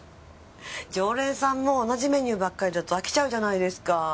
常連さんも同じメニューばっかりだと飽きちゃうじゃないですか。